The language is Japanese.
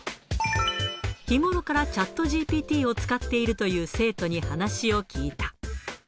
日頃からチャットＧＰＴを使っているという生徒に話を聞いた。